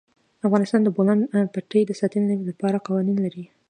افغانستان د د بولان پټي د ساتنې لپاره قوانین لري.